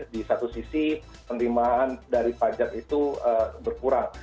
di satu sisi penerimaan dari pajak itu berkurang